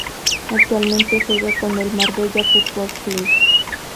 Actualmente juega en el Marbella Fútbol Club.